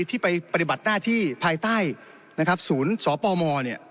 ที่ไปปฏิบัติหน้าที่ภายใต้นะครับศูนย์สปมเนี่ย